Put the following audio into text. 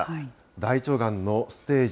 大腸がんのステージ